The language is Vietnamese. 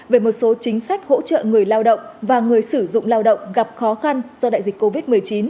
về một số chính sách hỗ trợ người lao động và người sử dụng lao động gặp khó khăn do đại dịch covid một mươi chín